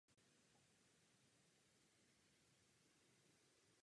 Film je natočen pozpátku.